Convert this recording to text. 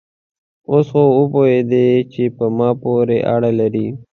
اوس خو وپوهېدې چې په ما پورې اړه لري؟